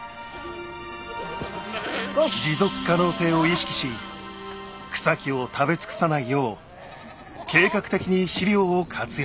持続可能性を意識し草木を食べ尽くさないよう計画的に飼料を活用。